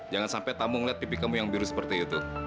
jangan sampai tamu ngelihat tipik kamu yang biru seperti itu